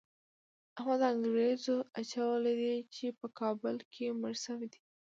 احمد انګروزه اچولې ده چې علي په کابل کې مړ شوی دی.